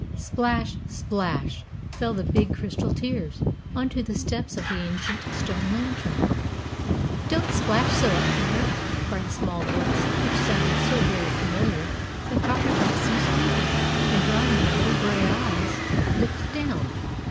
Splash, splash, fell the big crystal tears, on to the steps of the ancient stone Lantern. "Don't splash so, up there!" cried a small voice, which sounded so very familiar that Coppertop ceased weeping, and, drying her little grey eyes, looked down.